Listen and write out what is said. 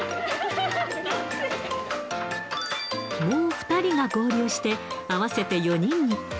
もう２人が合流して、合わせて４人に。